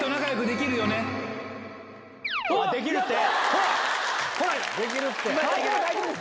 できるって。